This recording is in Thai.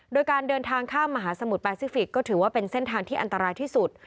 โดยการเดินทางข้ามมหาสมุทรแปซิฟิกก็ถือว่าเป็นเส้นทางที่อันตรายที่สุด